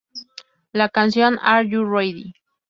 La canción "Are you ready?